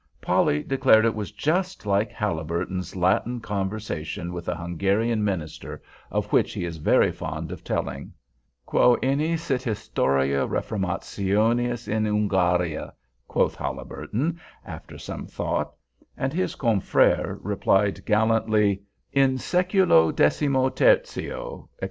Polly declared it was just like Haliburton's Latin conversation with the Hungarian minister, of which he is very fond of telling. "Quoene sit historia Reformationis in Ungariâ?" quoth Haliburton, after some thought. And his confrère replied gallantly, "In seculo decimo tertio," etc.